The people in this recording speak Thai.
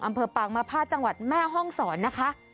อำเภอปางมภาษจังหวัดแม่ห้องศรนะคะ